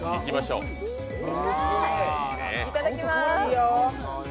いただきます！